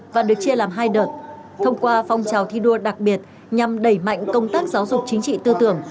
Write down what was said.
và được chia làm hai đợt thông qua phong trào thi đua đặc biệt nhằm đẩy mạnh công tác giáo dục chính trị tư tưởng